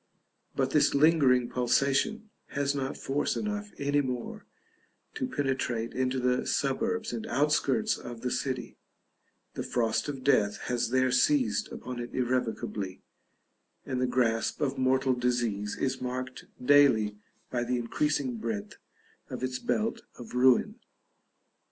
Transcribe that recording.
But this lingering pulsation has not force enough any more to penetrate into the suburbs and outskirts of the city; the frost of death has there seized upon it irrevocably, and the grasp of mortal disease is marked daily by the increasing breadth of its belt of ruin.